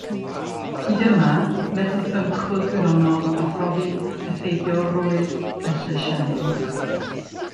Hyd yma, methodd ymchwil gwyddonol â phrofi effeithiolrwydd y llysiau hyn.